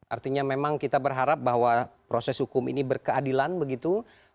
artinya memang kita berharap bahwa proses hukum ini berkeadilan begitu